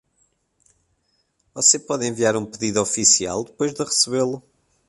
Você pode enviar um pedido oficial depois de recebê-lo?